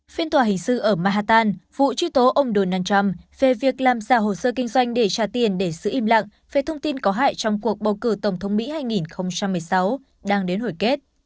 phiên tòa hình sự ở manhattan vụ truy tố ông donald trump về việc làm giả hồ sơ kinh doanh để trả tiền để xử im lặng về thông tin có hại trong cuộc bầu cử tổng thống mỹ hai nghìn một mươi sáu đang đến hồi kết